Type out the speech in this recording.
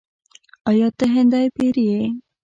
“آیا ته هندی پیر یې؟”